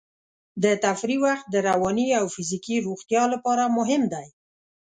د تفریح وخت د رواني او فزیکي روغتیا لپاره مهم دی.